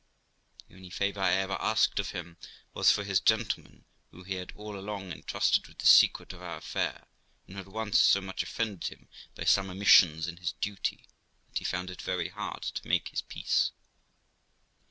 The only favour I ever asked of him was for his gentleman, who he had all along entrusted with the secret of our affair, and who had once so much offended him by some omissions in his duty that he found it very hard to make his peace.